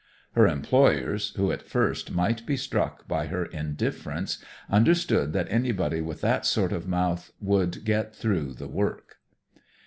Her employers, who at first might be struck by her indifference, understood that anybody with that sort of mouth would get through the work.